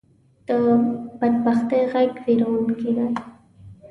د بدبختۍ غږ وېرونکې دی